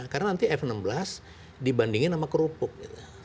karena nanti f enam belas dibandingin sama kerupuk gitu